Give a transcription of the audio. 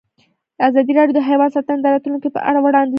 ازادي راډیو د حیوان ساتنه د راتلونکې په اړه وړاندوینې کړې.